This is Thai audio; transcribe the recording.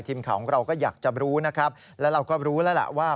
ทีมข่าวของเราก็อยากจะรู้นะครับแล้วเราก็รู้แล้วล่ะว่า